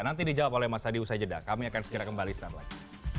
nanti dijawab oleh mas adi usai jedah kami akan segera kembali setelah ini